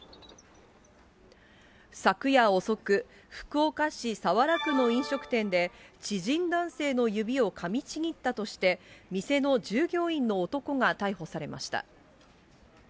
昨夜遅く、福岡市早良区の飲食店で、知人男性の指をかみちぎったとして、店の従業員の男が逮捕されました。